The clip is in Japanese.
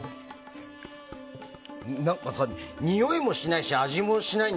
においもしないし味もしない。